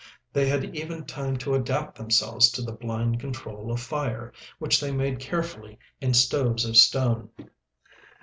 They had even time to adapt themselves to the blind control of fire, which they made carefully in stoves of stone.